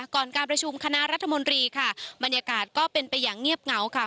การประชุมคณะรัฐมนตรีค่ะบรรยากาศก็เป็นไปอย่างเงียบเหงาค่ะ